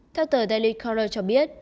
theo tờ daily corral cho biết